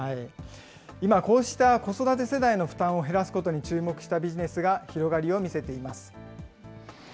今、こうした子育て世代の負担を減らすことに注目したビジネスが広がりを見せています。